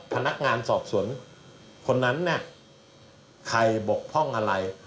พนักงานสอบสวนคนนั้นเนี่ยใครบกพร่องอะไร